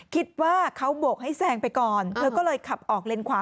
คิดว่าเขาโบกให้แซงไปก่อนเธอก็เลยขับออกเลนขวา